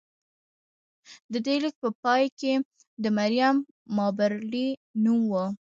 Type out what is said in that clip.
د دې لیک په پای کې د مریم مابرلي نوم و